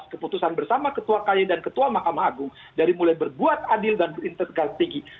keputusan bersama ketua kay dan ketua mahkamah agung dari mulai berbuat adil dan berintegrasi